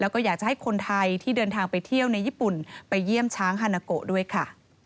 แล้วก็อยากจะให้คนไทยที่เดินทางไปเที่ยวในญี่ปุ่นไปเยี่ยมช้างฮานาโกะด้วยค่ะ